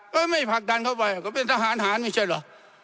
ไม่ผลักดันเข้าไปเขาเป็นทหารหารไม่ใช่เหรอ